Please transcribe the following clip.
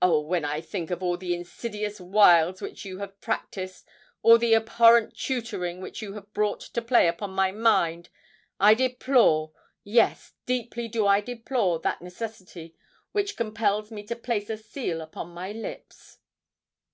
Oh! when I think of all the insidious wiles which you have practised—all the abhorrent tutoring which you have brought to play upon my mind, I deplore—yes, deeply do I deplore that necessity which compels me to place a seal upon my lips!"